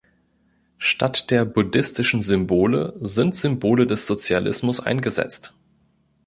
Statt der buddhistischen Symbole sind Symbole des Sozialismus eingesetzt.